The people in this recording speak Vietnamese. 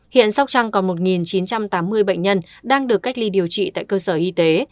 hiện sóc trăng còn một chín trăm tám mươi bệnh nhân đang được cách ly điều trị tại cơ sở y tế